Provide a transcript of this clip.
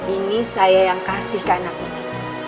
ini saya yang kasih ke anak ini